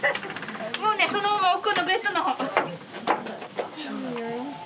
もうねそのまま奥のベッドの方。